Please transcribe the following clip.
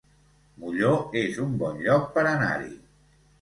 Molló es un bon lloc per anar-hi